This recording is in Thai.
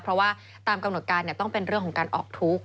เพราะว่าตามกำหนดการต้องเป็นเรื่องของการออกทุกข์